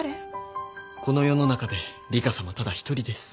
この世の中でリカさまただ１人です。